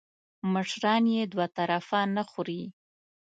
مشران یې دوه طرفه نه خوري .